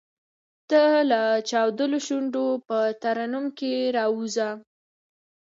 تۀ لۀ چاودلو شونډو پۀ ترنم راووځه !